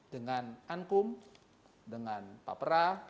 dengan ankum dengan papera